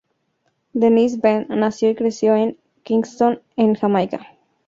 Dennis-Benn nació y creció en Kingston, en Jamaica.